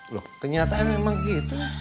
loh kenyataan memang gitu